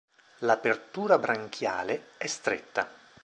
L'apertura branchiale è stretta.